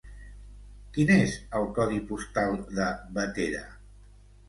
Quin és el codi postal de Bétera?